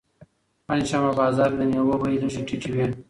پنجشنبه په بازار کې د مېوو بیې لږې ټیټې وي.